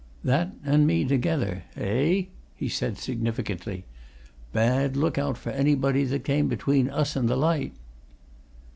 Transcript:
"That and me, together eh?" he said significantly. "Bad look out for anybody that came between us and the light."